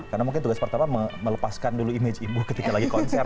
karena mungkin tugas pertama melepaskan dulu image ibu ketika lagi konser